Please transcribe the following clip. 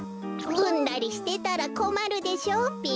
うんだりしてたらこまるでしょうべ。